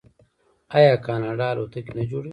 آیا کاناډا الوتکې نه جوړوي؟